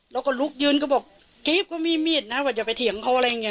แล้วก็ลุกยืนก็บอกกรี๊บก็มีมีดนะว่าจะไปเถียงเขาอะไรอย่างนี้